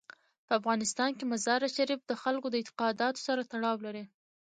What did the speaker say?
په افغانستان کې مزارشریف د خلکو د اعتقاداتو سره تړاو لري.